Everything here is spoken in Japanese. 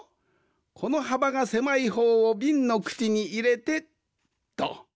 このはばがせまいほうをびんのくちにいれてっと。